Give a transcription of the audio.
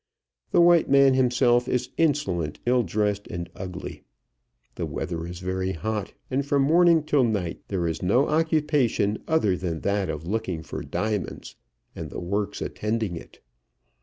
The white man himself is insolent, ill dressed, and ugly. The weather is very hot, and from morning till night there is no occupation other than that of looking for diamonds, and the works attending it.